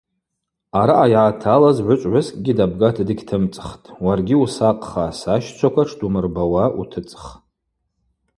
Араъа йгӏаталыз гӏвычӏвгӏвыскӏгьи дабгата дыгьтымцӏхтӏ, уаргьи усакъха, сащчваква тшдумырбауа утыцӏх.